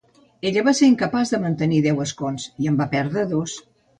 Ella va ser incapaç de mantenir deu escons i en va perdre dos.